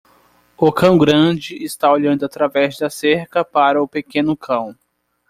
O cão grande está olhando através da cerca para o pequeno cão.